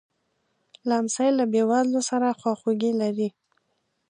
لمسی له بېوزلو سره خواخوږي لري.